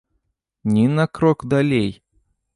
Ні на крок далей!